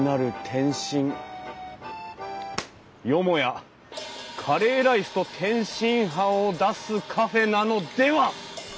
よもやカレーライスと天津飯を出すカフェなのでは！